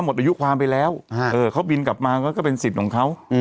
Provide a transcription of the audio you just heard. หมดอายุความไปแล้วฮะเออเขาบินกลับมาแล้วก็เป็นสิทธิ์ของเขาอืม